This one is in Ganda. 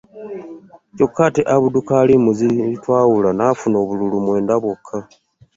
Kyokka ate Abdul Kalim Ziritwawula nafuna obululu mwenda bwokka